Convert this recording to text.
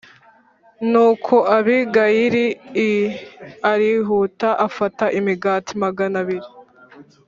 Nuko Abigayili l arihuta afata imigati magana abiri